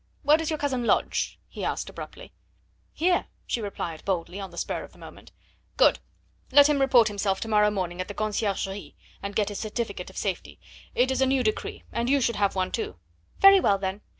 Where does your cousin lodge?" he asked abruptly. "Here," she replied boldly, on the spur of the moment. "Good. Let him report himself to morrow morning at the Conciergerie, and get his certificate of safety. It is a new decree, and you should have one, too." "Very well, then.